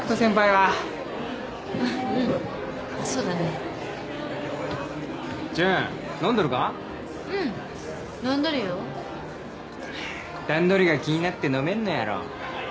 はぁ段取りが気になって飲めんのやろ。